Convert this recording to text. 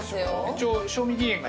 一応。